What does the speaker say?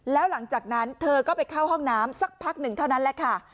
แล้วหลังจากนั้นเธอก็ไปเข้าห้องน้ำสักพักหนึ่งเท่านั้นแหละค่ะ